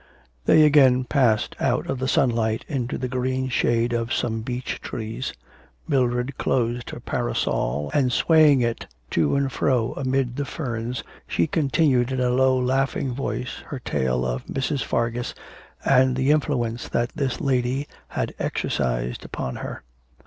They again passed out of the sunlight into the green shade of some beech trees. Mildred closed her parasol, and swaying it to and fro amid the ferns she continued in a low laughing voice her tale of Mrs. Fargus and the influence that this lady had exercised upon her.